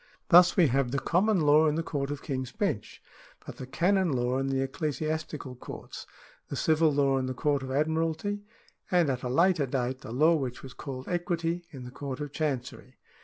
Thus we have the common law in the Court of King's Bench, but the canon law in the Ecclesiastical Courts, the civil law in the Court of Admiralty, and, at a later date, the law which was called equity in the Court of Chancery.